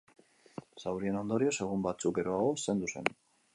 Zaurien ondorioz, egun batzuk geroago zendu zen.